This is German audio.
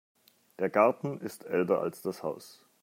Der Garten ist älter als das Haus.